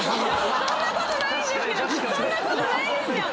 そんなことないですよ！